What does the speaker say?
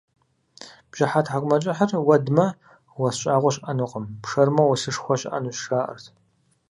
Бжьыхьэ тхьэкӀумэкӀыхьыр уэдмэ, уэс щӀагъуэ щыӀэнукъым, пшэрмэ, уэсышхуэ щыӀэнущ, жаӀэрт.